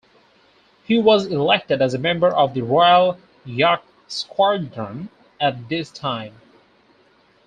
He was elected as a member of the Royal Yacht Squadron at this time.